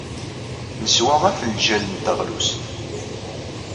Neswa afenjal n teɣlust.